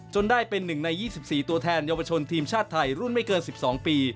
ได้เป็น๑ใน๒๔ตัวแทนเยาวชนทีมชาติไทยรุ่นไม่เกิน๑๒ปี